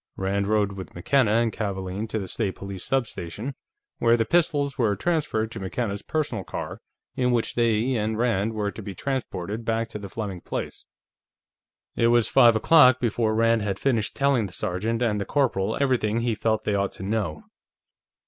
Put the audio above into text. Rand rode with McKenna and Kavaalen to the State Police substation, where the pistols were transferred to McKenna's personal car, in which they and Rand were to be transported back to the Fleming place. It was five o'clock before Rand had finished telling the sergeant and the corporal everything he felt they ought to know.